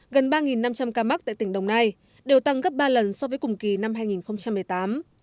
gần ba năm trăm linh ca mắc tại tỉnh đồng nai đều tăng gấp ba lần so với cùng kỳ năm hai nghìn một mươi tám